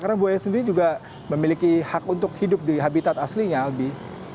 karena buaya sendiri juga memiliki hak untuk hidup di habitat aslinya albi